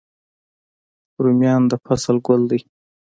رومیان د فصل ګل دی